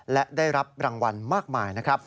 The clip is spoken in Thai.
และได้รับรางวัลมากมายนะครับ